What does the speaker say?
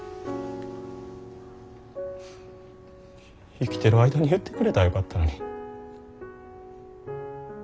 生きてる間に言うてくれたらよかったのに。